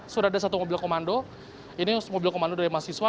sudah ada satu mobil komando ini mobil komando dari mahasiswa